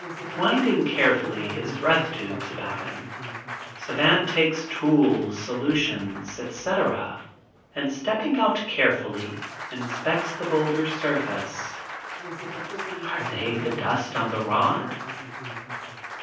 Winding carefully his breath tubes about him, Savant takes tools, solutions, etc., and stepping out carefully inspects the boulder's surface. (Are they the dust on the rod?)